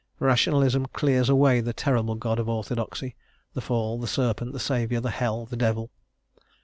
Rationalism clears away the terrible God of orthodoxy, the fall, the serpent, the Saviour, the hell, the devil.